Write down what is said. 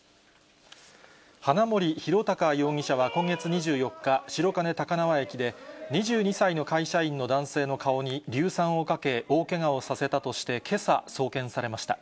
花森弘卓容疑者は今月２４日、白金高輪駅で、２２歳の会社員の男性の顔に硫酸をかけ、大けがをさせたとして、けさ、送検されました。